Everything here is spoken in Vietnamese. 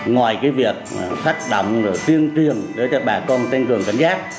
ngoài cái việc phát động tiên triền để cho bà con tăng cường cảnh giác